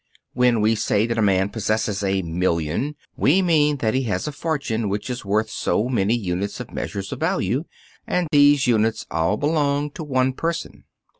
When we say that a man possesses a million, we mean that he has a fortune which is worth so many units of measure of values, and these units all belong to one person.